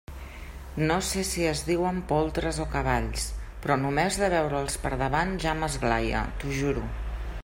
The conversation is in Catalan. No sé si es diuen poltres o cavalls, però només de veure'ls per davant ja m'esglaie, t'ho jure.